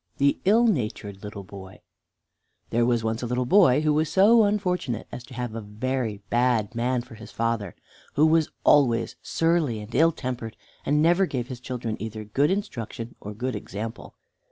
II THE ILL NATURED LITTLE BOY There was once a little boy who was so unfortunate as to have a very bad man for his father, who was always surly and ill tempered, and never gave his children either good instruction or good example.